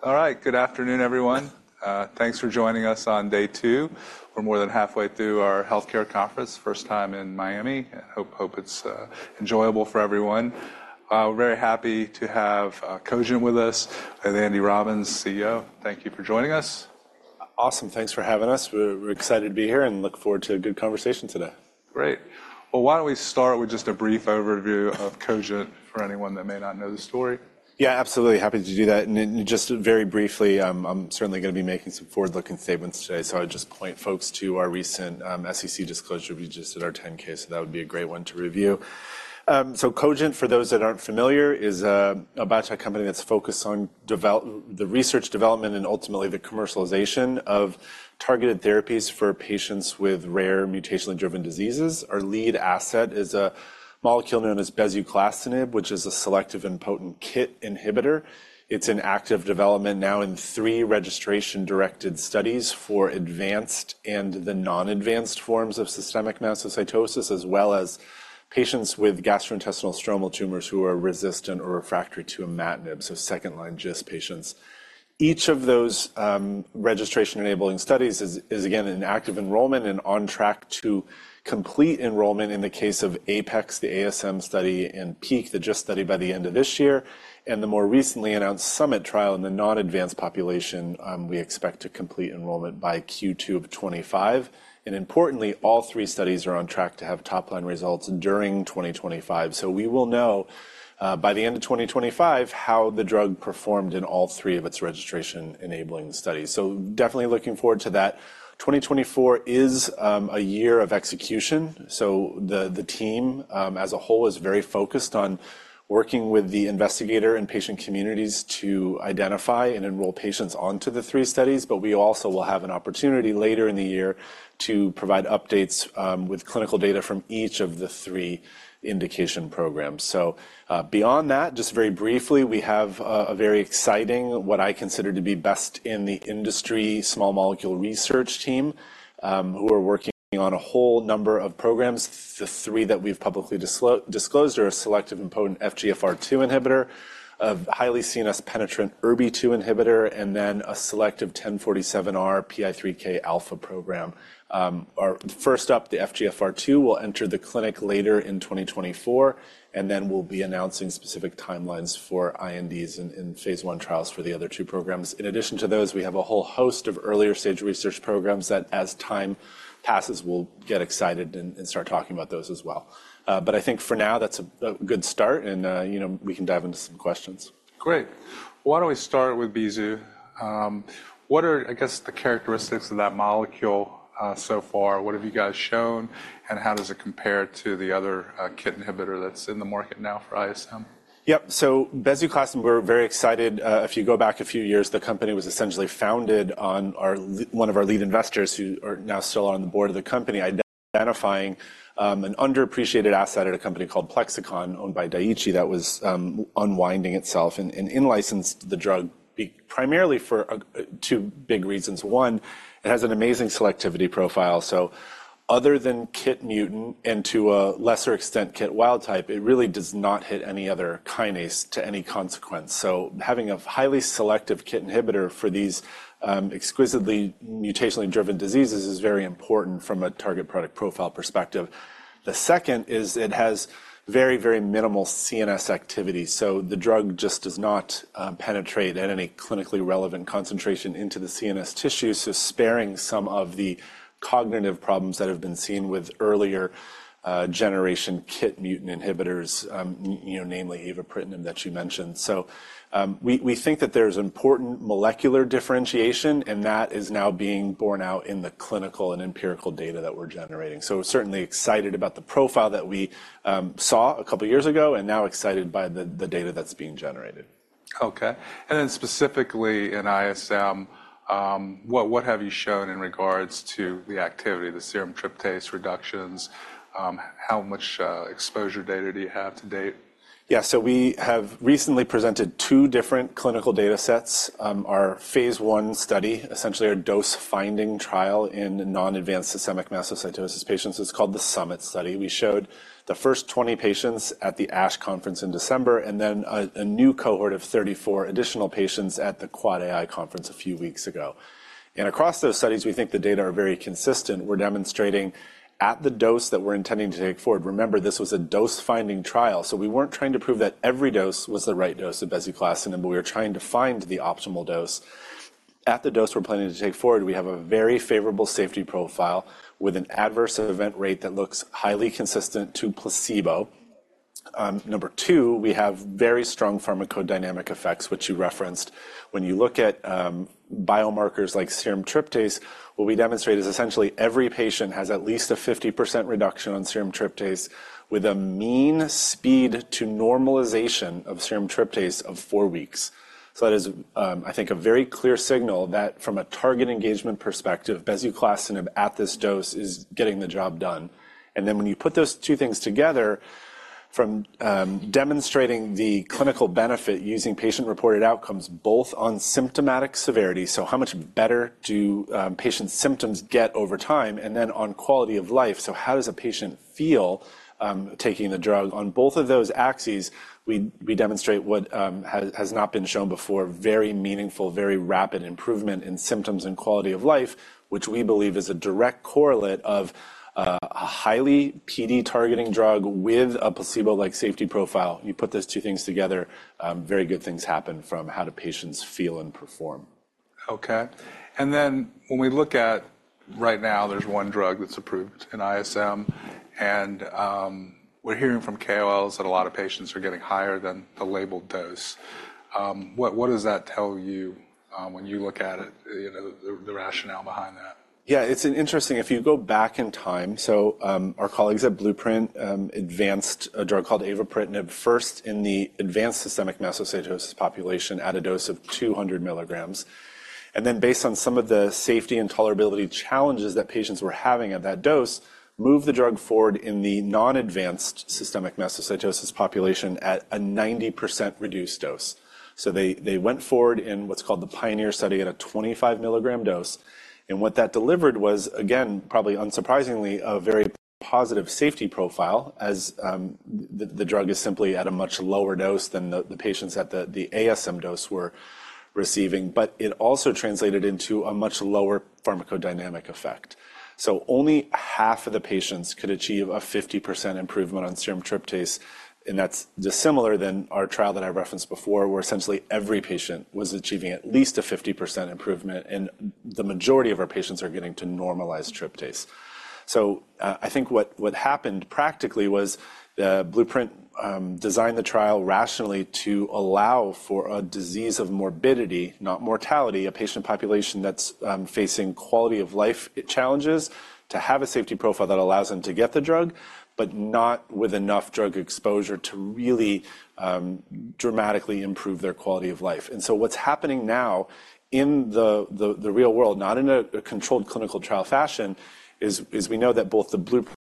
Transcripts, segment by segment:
All right, good afternoon, everyone. Thanks for joining us on day two. We're more than halfway through our healthcare conference, first time in Miami, and hope, hope it's, enjoyable for everyone. We're very happy to have Cogent with us and Andy Robbins, CEO. Thank you for joining us. Awesome. Thanks for having us. We're excited to be here and look forward to a good conversation today. Great. Well, why don't we start with just a brief overview of Cogent for anyone that may not know the story? Yeah, absolutely. Happy to do that. And just very briefly, I'm certainly gonna be making some forward-looking statements today, so I'll just point folks to our recent SEC disclosure. We just did our 10-K, so that would be a great one to review. So Cogent, for those that aren't familiar, is a biotech company that's focused on developing the research, development, and ultimately the commercialization of targeted therapies for patients with rare mutationally driven diseases. Our lead asset is a molecule known as bezuclastinib, which is a selective and potent KIT inhibitor. It's in active development now in three registration-directed studies for advanced and the non-advanced forms of systemic mastocytosis, as well as patients with gastrointestinal stromal tumors who are resistant or refractory to imatinib, so second-line GIST patients. Each of those registration-enabling studies is, is again, in active enrollment and on track to complete enrollment in the case of APEX, the ASM study, and PEAK, the GIST study by the end of this year, and the more recently announced SUMMIT trial in the non-advanced population; we expect to complete enrollment by Q2 of 2025. And importantly, all three studies are on track to have top-line results during 2025, so we will know, by the end of 2025 how the drug performed in all three of its registration-enabling studies. So definitely looking forward to that. 2024 is a year of execution, so the team as a whole is very focused on working with the investigator and patient communities to identify and enroll patients onto the three studies, but we also will have an opportunity later in the year to provide updates with clinical data from each of the three indication programs. So, beyond that, just very briefly, we have a very exciting, what I consider to be the best in the industry, small molecule research team, who are working on a whole number of programs. The three that we've publicly disclosed are a selective and potent FGFR2 inhibitor, a highly CNS-penetrant ErbB2 inhibitor, and then a selective 1047R PI3K alpha program. Our first up, the FGFR2, will enter the clinic later in 2024, and then we'll be announcing specific timelines for INDs and phase I trials for the other two programs. In addition to those, we have a whole host of earlier stage research programs that, as time passes, we'll get excited and start talking about those as well. But I think for now that's a good start, and, you know, we can dive into some questions. Great. Well, why don't we start with bezuclastinib? What are, I guess, the characteristics of that molecule, so far? What have you guys shown, and how does it compare to the other KIT inhibitor that's in the market now for ISM? Yep. So bezuclastinib, we're very excited. If you go back a few years, the company was essentially founded on one of our lead investors who are now still on the board of the company identifying an underappreciated asset at a company called Plexxikon owned by Daiichi that was unwinding itself and unlicensed the drug bezuclastinib primarily for two big reasons. One, it has an amazing selectivity profile, so other than KIT mutant and to a lesser extent KIT wild type, it really does not hit any other kinase to any consequence. So having a highly selective KIT inhibitor for these exquisitely mutationally driven diseases is very important from a target product profile perspective. The second is it has very, very minimal CNS activity, so the drug just does not penetrate at any clinically relevant concentration into the CNS tissue, so sparing some of the cognitive problems that have been seen with earlier generation KIT-mutant inhibitors, you know, namely avapritinib that you mentioned. So, we think that there's important molecular differentiation, and that is now being borne out in the clinical and empirical data that we're generating. So certainly excited about the profile that we saw a couple years ago and now excited by the data that's being generated. Okay. And then specifically in ISM, what have you shown in regards to the activity, the serum tryptase reductions? How much exposure data do you have to date? Yeah. So we have recently presented two different clinical data sets. Our phase I study, essentially our dose-finding trial in non-advanced systemic mastocytosis patients, is called the SUMMIT study. We showed the first 20 patients at the ASH conference in December and then a new cohort of 34 additional patients at the QuadAI conference a few weeks ago. Across those studies, we think the data are very consistent. We're demonstrating at the dose that we're intending to take forward. Remember, this was a dose-finding trial, so we weren't trying to prove that every dose was the right dose of bezuclastinib, but we were trying to find the optimal dose. At the dose we're planning to take forward, we have a very favorable safety profile with an adverse event rate that looks highly consistent to placebo. Number two, we have very strong pharmacodynamic effects, which you referenced. When you look at biomarkers like serum tryptase, what we demonstrate is essentially every patient has at least a 50% reduction on serum tryptase with a mean speed to normalization of serum tryptase of four weeks. So that is, I think, a very clear signal that from a target engagement perspective, bezuclastinib at this dose is getting the job done. And then when you put those two things together, from demonstrating the clinical benefit using patient-reported outcomes both on symptomatic severity, so how much better do patients' symptoms get over time, and then on quality of life, so how does a patient feel taking the drug, on both of those axes, we demonstrate what has not been shown before, very meaningful, very rapid improvement in symptoms and quality of life, which we believe is a direct correlate of a highly PD-targeting drug with a placebo-like safety profile. You put those two things together, very good things happen from how do patients feel and perform. Okay. And then when we look at right now, there's one drug that's approved in ISM, and we're hearing from KOLs that a lot of patients are getting higher than the labeled dose. What does that tell you, when you look at it, you know, the rationale behind that? Yeah. It's interesting if you go back in time, so, our colleagues at Blueprint advanced a drug called avapritinib first in the advanced systemic mastocytosis population at a dose of 200 milligrams. And then based on some of the safety and tolerability challenges that patients were having at that dose, moved the drug forward in the non-advanced systemic mastocytosis population at a 90% reduced dose. So they, they went forward in what's called the PIONEER study at a 25 milligram dose, and what that delivered was, again, probably unsurprisingly, a very positive safety profile as, the, the drug is simply at a much lower dose than the, the patients at the, the ASM dose were receiving, but it also translated into a much lower pharmacodynamic effect. So only half of the patients could achieve a 50% improvement on serum tryptase, and that's dissimilar than our trial that I referenced before, where essentially every patient was achieving at least a 50% improvement, and the majority of our patients are getting to normalize tryptase. So, I think what happened practically was the Blueprint designed the trial rationally to allow for a disease of morbidity, not mortality, a patient population that's facing quality of life challenges, to have a safety profile that allows them to get the drug but not with enough drug exposure to really dramatically improve their quality of life. So what's happening now in the real world, not in a controlled clinical trial fashion, is we know that both the Blueprint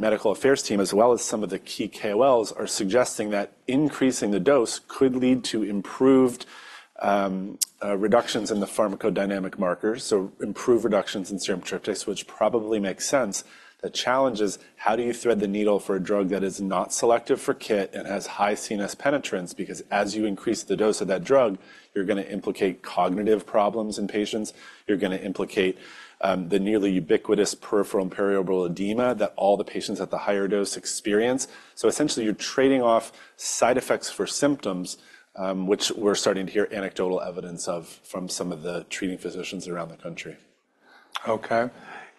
medical affairs team as well as some of the key KOLs are suggesting that increasing the dose could lead to improved reductions in the pharmacodynamic markers, so improved reductions in serum tryptase, which probably makes sense. The challenge is how do you thread the needle for a drug that is not selective for KIT and has high CNS penetration because as you increase the dose of that drug, you're gonna implicate cognitive problems in patients, you're gonna implicate the nearly ubiquitous peripheral and periorbital edema that all the patients at the higher dose experience. So essentially you're trading off side effects for symptoms, which we're starting to hear anecdotal evidence of from some of the treating physicians around the country. Okay.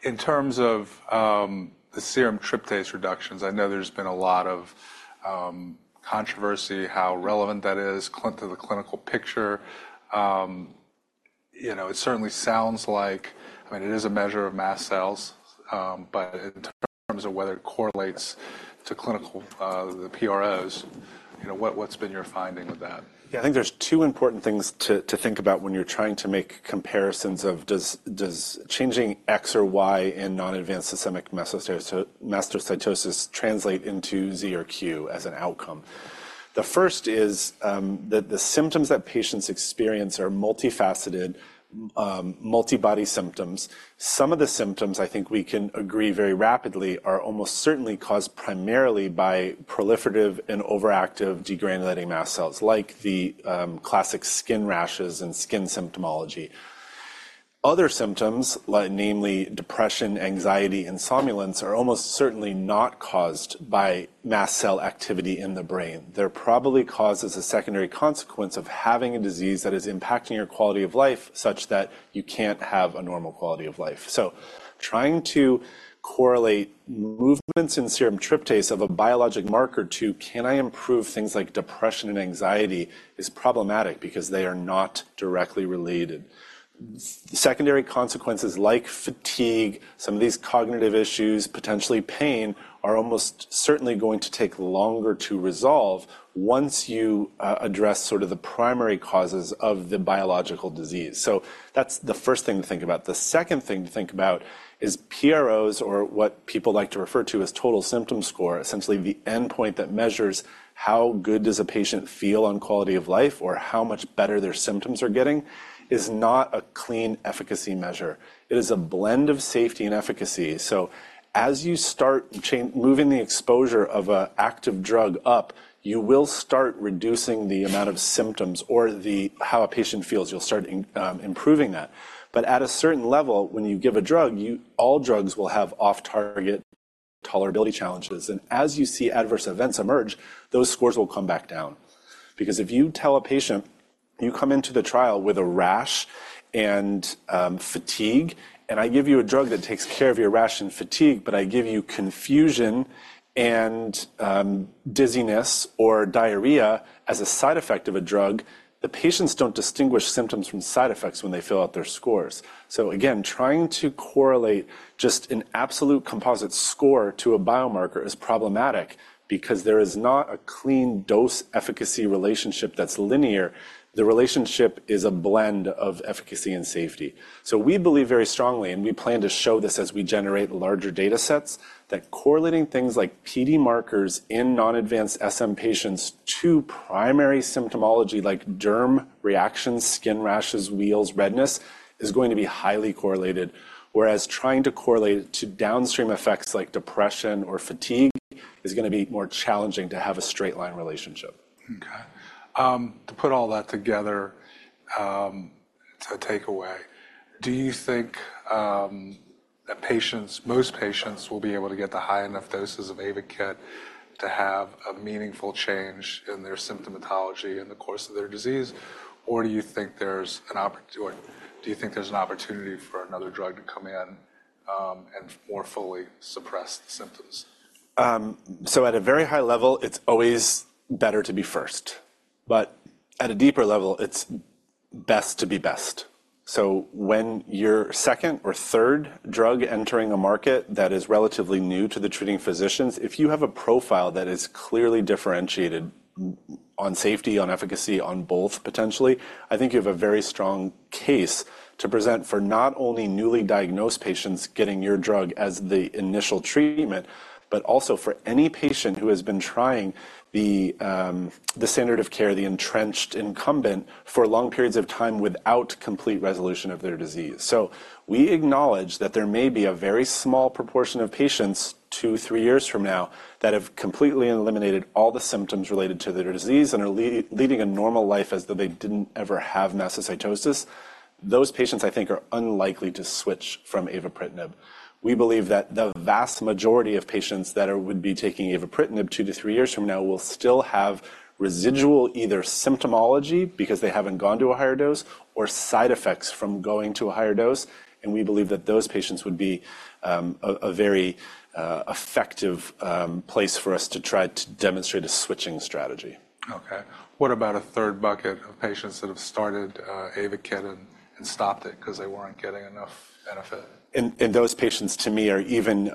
In terms of the serum tryptase reductions, I know there's been a lot of controversy how relevant that is to the clinical picture. You know, it certainly sounds like I mean, it is a measure of mast cells, but in terms of whether it correlates to clinical, the PROs, you know, what, what's been your finding with that? Yeah. I think there's two important things to think about when you're trying to make comparisons of does changing X or Y in non-advanced systemic mastocytosis translate into Z or Q as an outcome? The first is, that the symptoms that patients experience are multifaceted, multibody symptoms. Some of the symptoms, I think we can agree very rapidly, are almost certainly caused primarily by proliferative and overactive degranulating mast cells like the classic skin rashes and skin symptomology. Other symptoms, like namely depression, anxiety, and somnolence, are almost certainly not caused by mast cell activity in the brain. They're probably caused as a secondary consequence of having a disease that is impacting your quality of life such that you can't have a normal quality of life. So trying to correlate movements in serum tryptase, a biologic marker, to can I improve things like depression and anxiety is problematic because they are not directly related. Secondary consequences like fatigue, some of these cognitive issues, potentially pain, are almost certainly going to take longer to resolve once you address sort of the primary causes of the biological disease. So that's the first thing to think about. The second thing to think about is PROs or what people like to refer to as total symptom score, essentially the endpoint that measures how good does a patient feel on quality of life or how much better their symptoms are getting, is not a clean efficacy measure. It is a blend of safety and efficacy. So as you start increasing the exposure of an active drug up, you will start reducing the amount of symptoms or how a patient feels. You'll start improving that. But at a certain level, when you give a drug, all drugs will have off-target tolerability challenges, and as you see adverse events emerge, those scores will come back down. Because if you tell a patient, "You come into the trial with a rash and fatigue," and I give you a drug that takes care of your rash and fatigue, but I give you confusion and dizziness or diarrhea as a side effect of a drug, the patients don't distinguish symptoms from side effects when they fill out their scores. So again, trying to correlate just an absolute composite score to a biomarker is problematic because there is not a clean dose-efficacy relationship that's linear. The relationship is a blend of efficacy and safety. So we believe very strongly, and we plan to show this as we generate larger data sets, that correlating things like PD markers in non-advanced SM patients to primary symptomatology like derm reactions, skin rashes, wheals, redness is going to be highly correlated, whereas trying to correlate it to downstream effects like depression or fatigue is gonna be more challenging to have a straight-line relationship. Okay. To put all that together, it's a takeaway. Do you think that patients, most patients, will be able to get the high enough doses of Ayvakit to have a meaningful change in their symptomatology in the course of their disease, or do you think there's an opportunity for another drug to come in, and more fully suppress the symptoms? So at a very high level, it's always better to be first. But at a deeper level, it's best to be best. So when your second or third drug entering a market that is relatively new to the treating physicians, if you have a profile that is clearly differentiated on safety, on efficacy, on both potentially, I think you have a very strong case to present for not only newly diagnosed patients getting your drug as the initial treatment but also for any patient who has been trying the standard of care, the entrenched incumbent, for long periods of time without complete resolution of their disease. So we acknowledge that there may be a very small proportion of patients two, three years from now that have completely eliminated all the symptoms related to their disease and are leading a normal life as though they didn't ever have mastocytosis. Those patients, I think, are unlikely to switch from avapritinib. We believe that the vast majority of patients that are would be taking avapritinib two-three years from now will still have residual either symptomology because they haven't gone to a higher dose or side effects from going to a higher dose, and we believe that those patients would be a very effective place for us to try to demonstrate a switching strategy. Okay. What about a third bucket of patients that have started Ayvakit and stopped it 'cause they weren't getting enough benefit? And those patients, to me, are even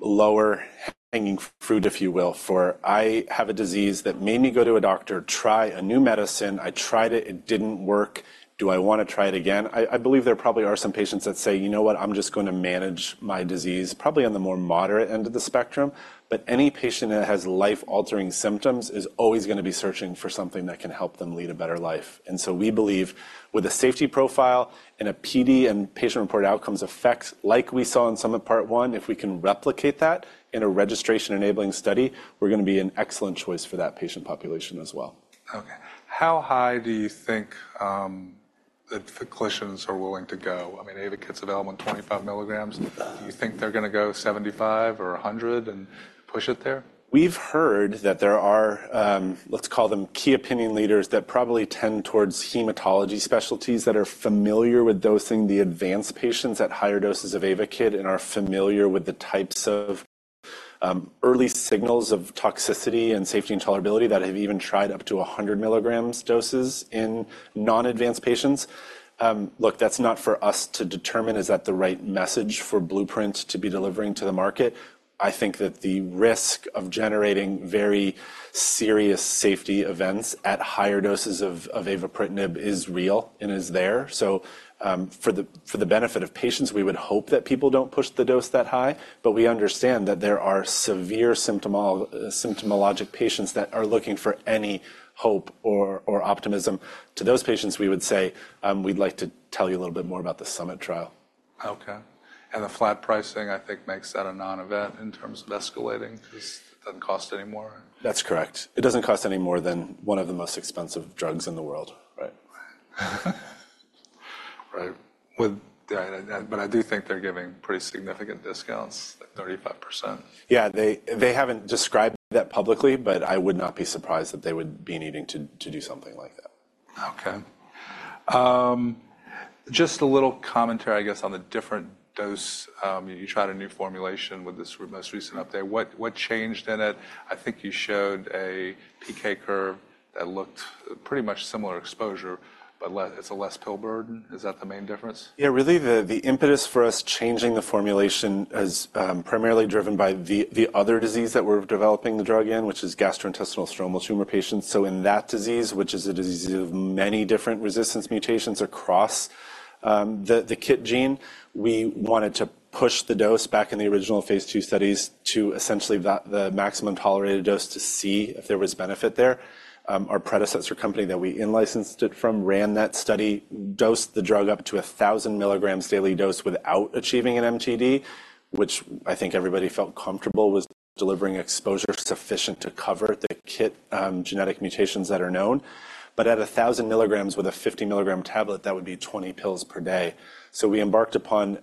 lower hanging fruit, if you will, for I have a disease that made me go to a doctor, try a new medicine, I tried it, it didn't work. Do I wanna try it again? I believe there probably are some patients that say, "You know what? I'm just gonna manage my disease," probably on the more moderate end of the spectrum, but any patient that has life-altering symptoms is always gonna be searching for something that can help them lead a better life. And so we believe with a safety profile and a PD and patient-reported outcomes effects like we saw in SUMMIT Part I, if we can replicate that in a registration-enabling study, we're gonna be an excellent choice for that patient population as well. Okay. How high do you think that clinicians are willing to go? I mean, Ayvakit's available in 25 milligrams. Do you think they're gonna go 75 or 100 and push it there? We've heard that there are, let's call them key opinion leaders that probably tend towards hematology specialties that are familiar with dosing the advanced patients at higher doses of Ayvakit and are familiar with the types of early signals of toxicity and safety and tolerability that have even tried up to 100 milligrams doses in non-advanced patients. Look, that's not for us to determine. Is that the right message for Blueprint to be delivering to the market? I think that the risk of generating very serious safety events at higher doses of avapritinib is real and is there. So, for the benefit of patients, we would hope that people don't push the dose that high, but we understand that there are severe symptomatic patients that are looking for any hope or optimism. To those patients, we would say, we'd like to tell you a little bit more about the SUMMIT trial. Okay. The flat pricing, I think, makes that a non-event in terms of escalating 'cause it doesn't cost any more. That's correct. It doesn't cost any more than one of the most expensive drugs in the world, right? Right. Right. With yeah, and but I do think they're giving pretty significant discounts, like 35%. Yeah. They haven't described that publicly, but I would not be surprised that they would be needing to do something like that. Okay. Just a little commentary, I guess, on the different dose. You tried a new formulation with this most recent update. What, what changed in it? I think you showed a PK curve that looked pretty much similar exposure but less, it's a less pill burden. Is that the main difference? Yeah. Really, the impetus for us changing the formulation is primarily driven by the other disease that we're developing the drug in, which is gastrointestinal stromal tumor patients. So in that disease, which is a disease of many different resistance mutations across the KIT gene, we wanted to push the dose back in the original phase II studies to essentially the maximum tolerated dose to see if there was benefit there. Our predecessor company that we in-licensed it from ran that study, dosed the drug up to 1,000 milligrams daily dose without achieving an MTD, which I think everybody felt comfortable was delivering exposure sufficient to cover the KIT genetic mutations that are known. But at 1,000 milligrams with a 50-milligram tablet, that would be 20 pills per day. So we embarked upon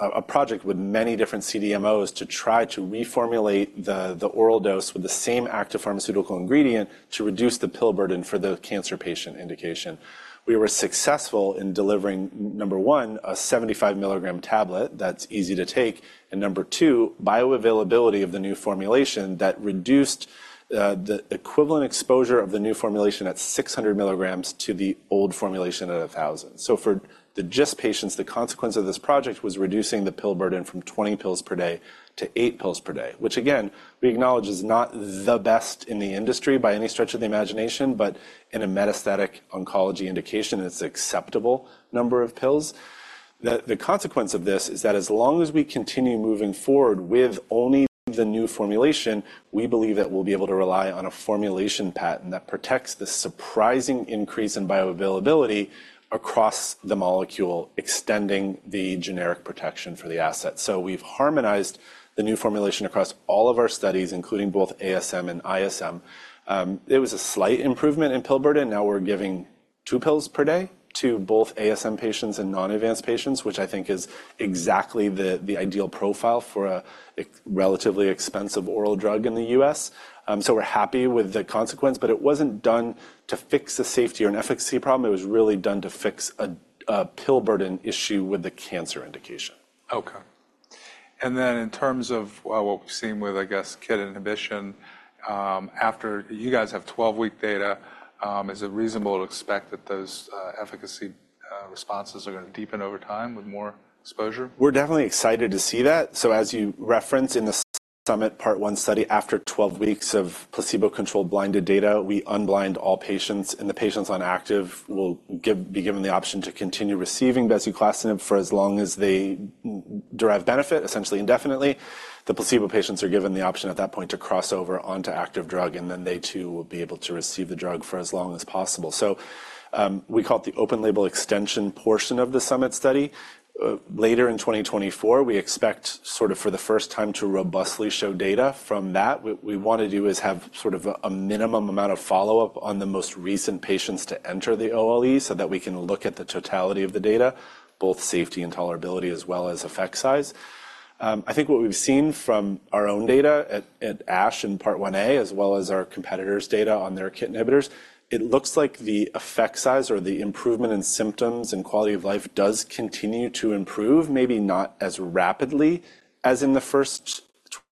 a project with many different CDMOs to try to reformulate the oral dose with the same active pharmaceutical ingredient to reduce the pill burden for the cancer patient indication. We were successful in delivering, number one, a 75-milligram tablet that's easy to take, and number two, bioavailability of the new formulation that reduced the equivalent exposure of the new formulation at 600 milligrams to the old formulation at 1,000. So for the GIST patients, the consequence of this project was reducing the pill burden from 20 pills per day to eight pills per day, which again, we acknowledge is not the best in the industry by any stretch of the imagination, but in a metastatic oncology indication, it's an acceptable number of pills. The consequence of this is that as long as we continue moving forward with only the new formulation, we believe that we'll be able to rely on a formulation pattern that protects the surprising increase in bioavailability across the molecule extending the generic protection for the asset. So we've harmonized the new formulation across all of our studies, including both ASM and ISM. It was a slight improvement in pill burden. Now we're giving two pills per day to both ASM patients and non-advanced patients, which I think is exactly the ideal profile for a relatively expensive oral drug in the US. So we're happy with the consequence, but it wasn't done to fix the safety or an efficacy problem. It was really done to fix a pill burden issue with the cancer indication. Okay. And then in terms of what we've seen with, I guess, KIT inhibition, after you guys have 12-week data, is it reasonable to expect that those efficacy responses are gonna deepen over time with more exposure? We're definitely excited to see that. So as you referenced in the SUMMIT Part I study, after 12 weeks of placebo-controlled blinded data, we unblind all patients, and the patients on active will be given the option to continue receiving bezuclastinib for as long as they derive benefit, essentially indefinitely. The placebo patients are given the option at that point to cross over onto active drug, and then they too will be able to receive the drug for as long as possible. So, we called it the open-label extension portion of the SUMMIT study. Later in 2024, we expect sort of for the first time to robustly show data from that. What we wanna do is have sort of a minimum amount of follow-up on the most recent patients to enter the OLE so that we can look at the totality of the data, both safety and tolerability as well as effect size. I think what we've seen from our own data at ASH in Part IA as well as our competitors' data on their KIT inhibitors, it looks like the effect size or the improvement in symptoms and quality of life does continue to improve, maybe not as rapidly as in the first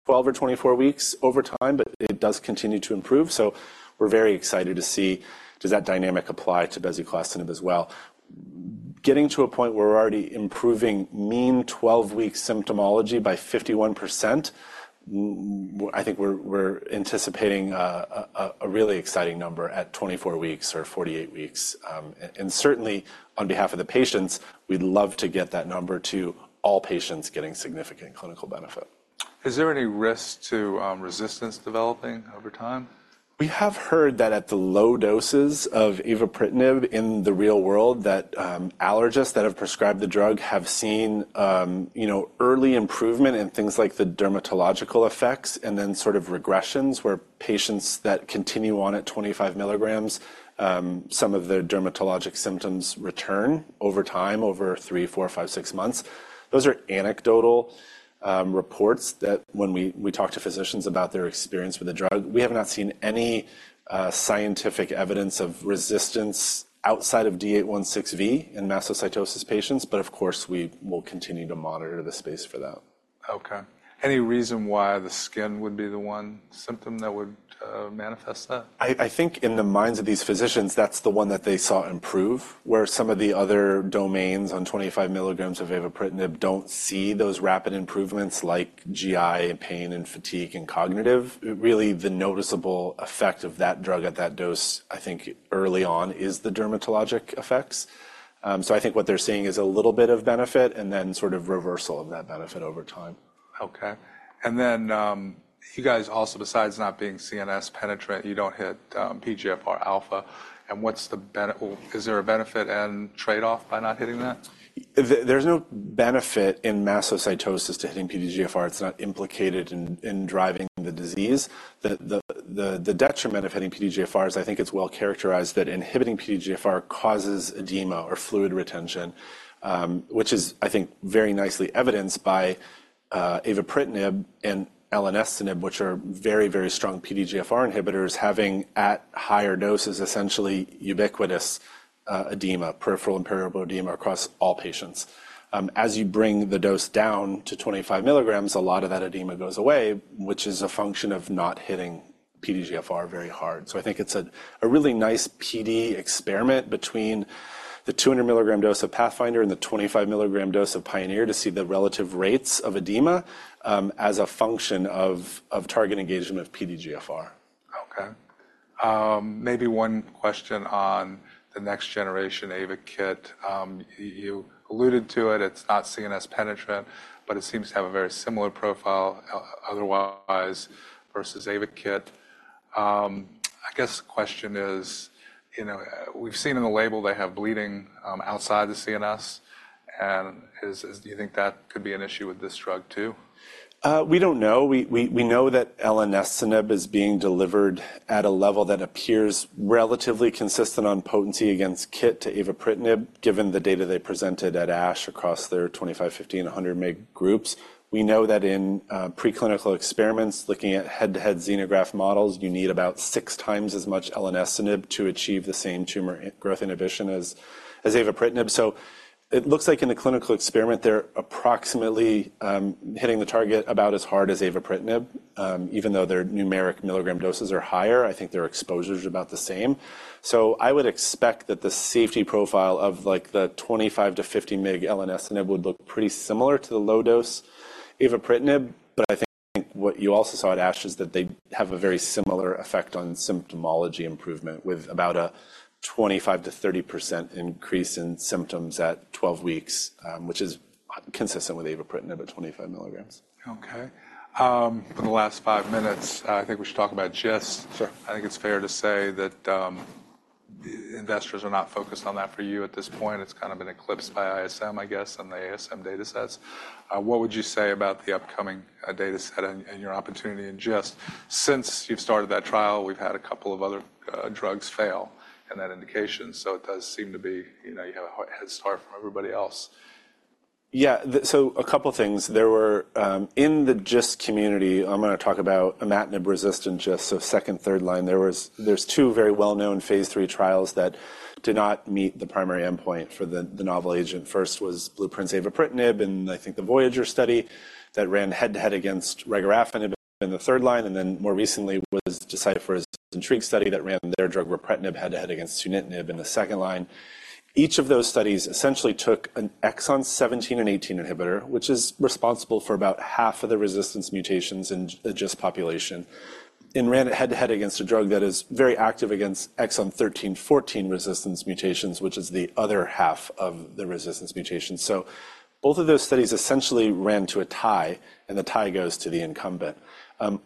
12 or 24 weeks over time, but it does continue to improve. So we're very excited to see does that dynamic apply to bezuclastinib as well. Getting to a point where we're already improving mean 12-week symptomatology by 51%. I think we're anticipating a really exciting number at 24 weeks or 48 weeks. And certainly on behalf of the patients, we'd love to get that number to all patients getting significant clinical benefit. Is there any risk to resistance developing over time? We have heard that at the low doses of avapritinib in the real world that allergists that have prescribed the drug have seen, you know, early improvement in things like the dermatological effects and then sort of regressions where patients that continue on at 25 milligrams, some of their dermatologic symptoms return over time over three, four, five, six months. Those are anecdotal reports that when we talk to physicians about their experience with the drug, we have not seen any scientific evidence of resistance outside of D816V in mastocytosis patients, but of course, we will continue to monitor the space for that. Okay. Any reason why the skin would be the one symptom that would manifest that? I think in the minds of these physicians, that's the one that they saw improve, where some of the other domains on 25 mg of avapritinib don't see those rapid improvements like GI and pain and fatigue and cognitive. Really, the noticeable effect of that drug at that dose, I think early on, is the dermatologic effects. So I think what they're seeing is a little bit of benefit and then sort of reversal of that benefit over time. Okay. And then, you guys also, besides not being CNS penetrant, you don't hit PDGFR alpha. And what's the benefit? Well, is there a benefit and trade-off by not hitting that? There's no benefit in mastocytosis to hitting PDGFR. It's not implicated in driving the disease. The detriment of hitting PDGFR is I think it's well characterized that inhibiting PDGFR causes edema or fluid retention, which is, I think, very nicely evidenced by avapritinib and elenestinib, which are very, very strong PDGFR inhibitors, having at higher doses essentially ubiquitous peripheral edema across all patients. As you bring the dose down to 25 milligrams, a lot of that edema goes away, which is a function of not hitting PDGFR very hard. So I think it's a really nice PD experiment between the 200-milligram dose of PATHFINDER and the 25-milligram dose of PIONEER to see the relative rates of edema, as a function of target engagement of PDGFR. Okay. Maybe one question on the next-generation Ayvakit. You alluded to it. It's not CNS penetrant, but it seems to have a very similar profile otherwise versus Ayvakit. I guess the question is, you know, we've seen on the label they have bleeding outside the CNS. And, do you think that could be an issue with this drug too? We don't know. We know that bezuclastinib is being delivered at a level that appears relatively consistent on potency against KIT to avapritinib given the data they presented at ASH across their 25, 15, 100-mg groups. We know that in preclinical experiments looking at head-to-head xenograft models, you need about six times as much bezuclastinib to achieve the same tumor growth inhibition as avapritinib. So it looks like in the clinical experiment, they're approximately hitting the target about as hard as avapritinib, even though their numeric milligram doses are higher. I think their exposures are about the same. So I would expect that the safety profile of, like, the 25-50 mg bezuclastinib would look pretty similar to the low-dose avapritinib, but I think what you also saw at ASH is that they have a very similar effect on symptomology improvement with about a 25%-30% increase in symptoms at 12 weeks, which is consistent with avapritinib at 25 mg. Okay. For the last five minutes, I think we should talk about GIST. Sure. I think it's fair to say that the investors are not focused on that for you at this point. It's kind of been eclipsed by ISM, I guess, and the ASM datasets. What would you say about the upcoming dataset and your opportunity in GIST? Since you've started that trial, we've had a couple of other drugs fail in that indication, so it does seem to be, you know, you have a head start from everybody else. Yeah. So a couple of things. There were, in the GIST community, I'm gonna talk about imatinib-resistant GIST, so second, third line. There's two very well-known phase III trials that did not meet the primary endpoint for the novel agent. First was Blueprint's avapritinib and I think the VOYAGER study that ran head-to-head against regorafenib in the third line, and then more recently was Deciphera's INTRIGUE study that ran their drug ripretinib head-to-head against sunitinib in the second line. Each of those studies essentially took an exon 17 and 18 inhibitor, which is responsible for about half of the resistance mutations in the GIST population, and ran it head-to-head against a drug that is very active against exon 13, 14 resistance mutations, which is the other half of the resistance mutations. So both of those studies essentially ran to a tie, and the tie goes to the incumbent.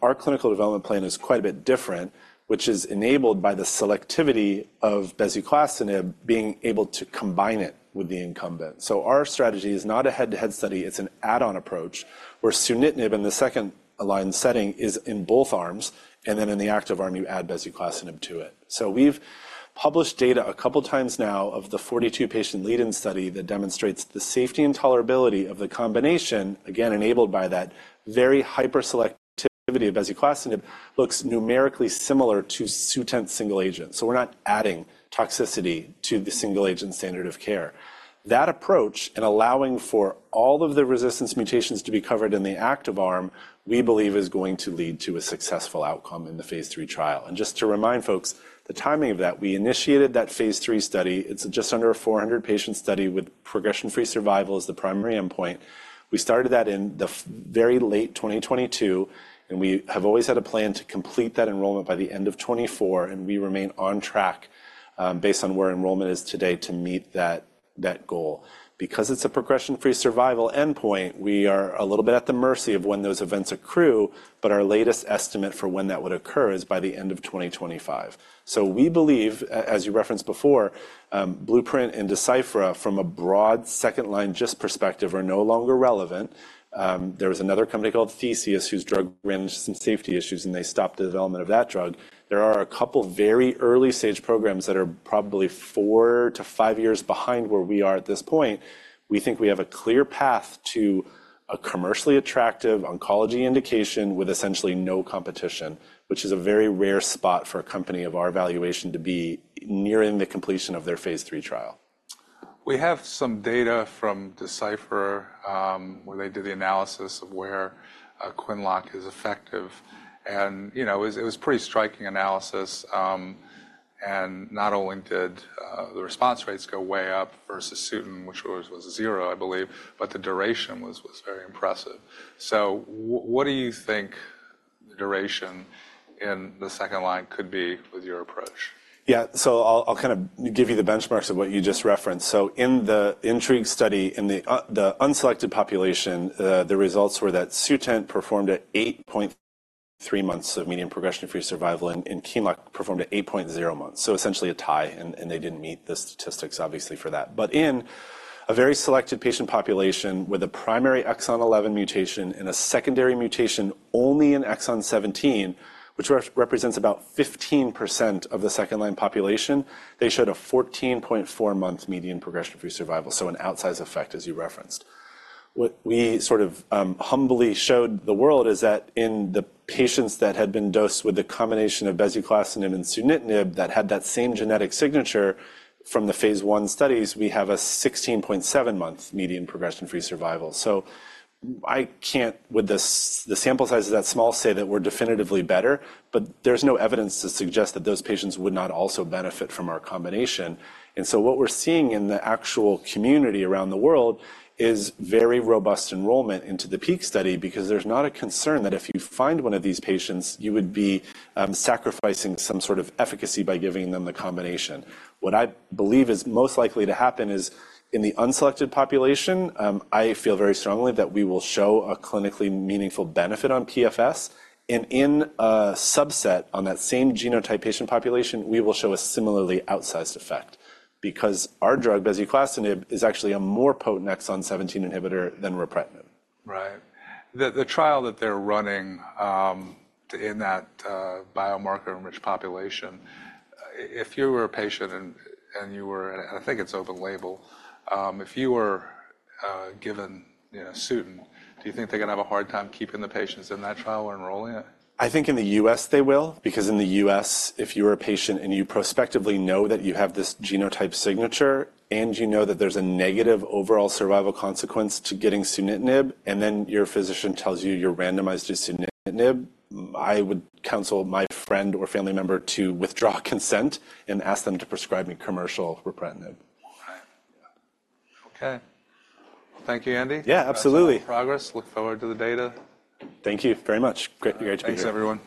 Our clinical development plan is quite a bit different, which is enabled by the selectivity of bezuclastinib being able to combine it with the incumbent. So our strategy is not a head-to-head study. It's an add-on approach where sunitinib in the second-line setting is in both arms, and then in the active arm, you add bezuclastinib to it. So we've published data a couple of times now of the 42-patient lead-in study that demonstrates the safety and tolerability of the combination, again, enabled by that very hyperselectivity of bezuclastinib looks numerically similar to Sutent single agent. So we're not adding toxicity to the single agent standard of care. That approach and allowing for all of the resistance mutations to be covered in the active arm, we believe, is going to lead to a successful outcome in the phase III trial. Just to remind folks the timing of that, we initiated that phase III study. It's just under a 400-patient study with progression-free survival as the primary endpoint. We started that in the very late 2022, and we have always had a plan to complete that enrollment by the end of 2024, and we remain on track, based on where enrollment is today to meet that goal. Because it's a progression-free survival endpoint, we are a little bit at the mercy of when those events accrue, but our latest estimate for when that would occur is by the end of 2025. So we believe, as you referenced before, Blueprint and Decipher from a broad second-line GIST perspective are no longer relevant. There was another company called Theseus whose drug ran into some safety issues, and they stopped the development of that drug. There are a couple very early-stage programs that are probably four-five years behind where we are at this point. We think we have a clear path to a commercially attractive oncology indication with essentially no competition, which is a very rare spot for a company of our valuation to be nearing the completion of their phase III trial. We have some data from Deciphera, where they did the analysis of where QINLOCK is effective. You know, it was a pretty striking analysis, and not only did the response rates go way up versus Sutent, which was zero, I believe, but the duration was very impressive. So what do you think the duration in the second line could be with your approach? Yeah. So I'll kind of give you the benchmarks of what you just referenced. So in the INTRIGUE study, in the unselected population, the results were that Sutent performed at 8.3 months of median progression-free survival, and Qinlock performed at 8.0 months. So essentially a tie, and they didn't meet the statistics, obviously, for that. But in a very selected patient population with a primary exon 11 mutation and a secondary mutation only in exon 17, which represents about 15% of the second-line population, they showed a 14.4-month median progression-free survival, so an outsize effect, as you referenced. What we sort of, humbly showed the world is that in the patients that had been dosed with the combination of bezuclastinib and sunitinib that had that same genetic signature from the phase I studies, we have a 16.7-month median progression-free survival. So I can't say, with the sample size that small, that we're definitively better, but there's no evidence to suggest that those patients would not also benefit from our combination. And so what we're seeing in the actual community around the world is very robust enrollment into the PEAK study because there's not a concern that if you find one of these patients, you would be sacrificing some sort of efficacy by giving them the combination. What I believe is most likely to happen is in the unselected population, I feel very strongly that we will show a clinically meaningful benefit on PFS, and in a subset on that same genotype patient population, we will show a similarly outsized effect because our drug, bezuclastinib, is actually a more potent exon 17 inhibitor than ripretinib. Right. The trial that they're running in that biomarker-enriched population, if you were a patient and you were, I think it's open label. If you were given, you know, Sutent, do you think they're gonna have a hard time keeping the patients in that trial or enrolling it? I think in the U.S., they will because in the U.S., if you're a patient and you prospectively know that you have this genotype signature and you know that there's a negative overall survival consequence to getting sunitinib, and then your physician tells you you're randomized to sunitinib, I would counsel my friend or family member to withdraw consent and ask them to prescribe me commercial ripretinib. Right. Yeah. Okay. Thank you, Andy. Yeah, absolutely. How's that going for progress? Look forward to the data. Thank you very much. Great, great to be here. Thanks, everyone.